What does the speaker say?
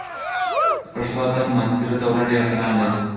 د پښتو ادب معاصره دوره ډېر اتلان لري.